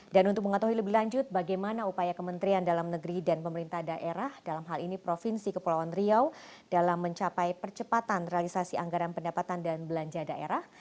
untuk mengetahui lebih lanjut bagaimana upaya kementerian dalam negeri dan pemerintah daerah dalam hal ini provinsi kepulauan riau dalam mencapai percepatan realisasi anggaran pendapatan dan belanja daerah